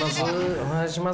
お願いします。